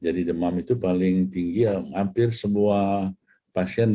jadi demam itu paling tinggi hampir semua pasien